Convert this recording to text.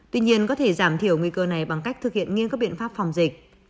tuy nhiên có thể giảm thiểu nguy cơ này bằng cách thực hiện nghiên cứu biện pháp phòng dịch